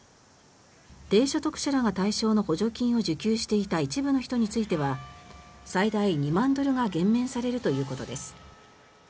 低所得者らが対象の補助金を受給していた一部の人については最大２万ドルが減免されるということです。